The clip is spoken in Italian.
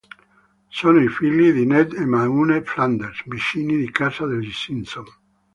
Sono i figli di Ned e Maude Flanders, vicini di casa dei Simpson.